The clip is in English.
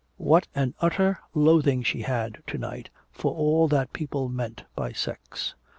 What an utter loathing she had to night for all that people meant by sex!